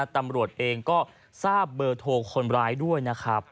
ตำรวจเองก็ทราบเบอร์โทรคนร้ายด้วยนะครับ